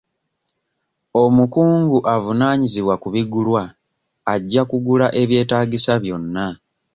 Omukungu avunaanyizibwa ku bigulwa ajja kugala ebyetaagisa byonna.